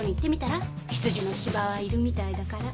執事の木場はいるみたいだから。